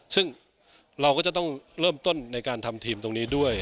ซึ่งเราก็จะต้องเริ่มต้นในการทำทีมตรงนี้ด้วย